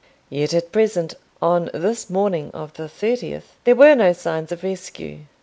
Yet at present, on this morning of the thirtieth, there were no signs of rescue.